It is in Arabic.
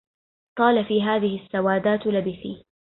طال في هذه السوادات لبثي